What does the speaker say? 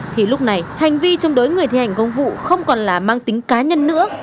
thì lúc này hành vi chống đối người thi hành công vụ không còn là mang tính cá nhân nữa